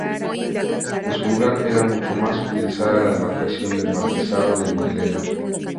En su lugar, era mucho más utilizada la demarcación del Marquesado de Villena.